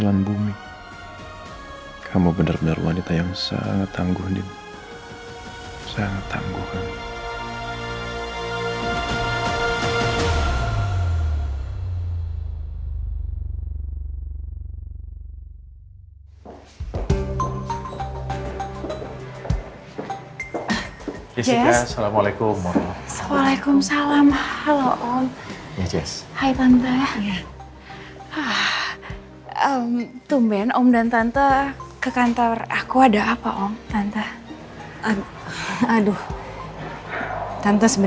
gak perlu gak enak tante